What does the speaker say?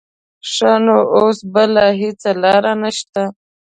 ښه نو اوس بله هېڅ لاره نه شته.